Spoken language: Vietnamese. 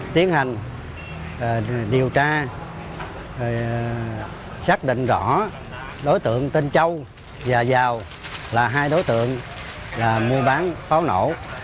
tiến hành điều tra xác định rõ đối tượng tên châu và giao là hai đối tượng là mua bán pháo nổ